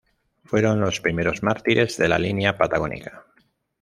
Fueron los primeros mártires de la línea patagónica.